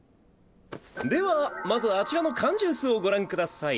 ではまずあちらの缶ジュースをご覧ください。